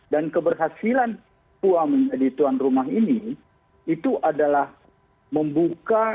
dan keberhasilan pon di tuan rumah ini itu adalah membuka